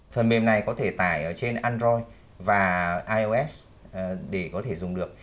phần mềm này có thể tải trên android và ios để có thể dùng được